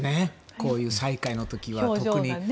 こういう再会の時は特に。